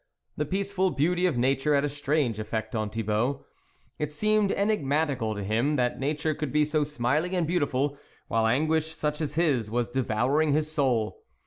The peaceful beauty of nature had a strange effect on Thibault. It seemed enigmatical to him that nature could be so smiling and beautiful, while anguish such as his was devouring his soul.